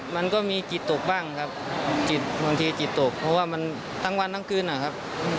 มันก็มีจิตตกบ้างครับจิตบางทีจิตตกเพราะว่ามันทั้งวันทั้งคืนนะครับ